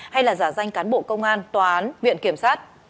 hay là giả danh cán bộ công an tòa án viện kiểm sát